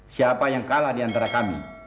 siapa yang kalah diantara kami